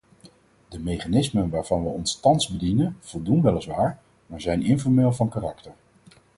De mechanismen waarvan we ons thans bedienen voldoen weliswaar, maar zijn informeel van karakter.